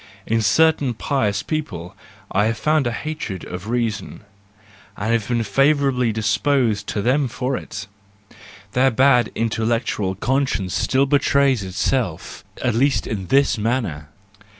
In certain pious people I have found a hatred of reason, and have been favourably disposed to them for it: their bad, intellectual conscience still betrayed itself, at least in this manner!